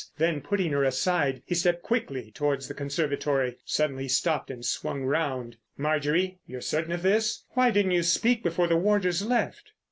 Then putting her aside, he stepped quickly towards the conservatory. Suddenly he stopped and swung round. "Marjorie! You're certain of this? Why didn't you speak—before the warders left?"